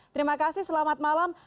terima kasih selamat malam